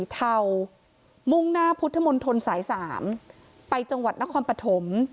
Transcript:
เทามุ่งหน้าพุทธมนตรสาย๓ไปจังหวัดนครปฐม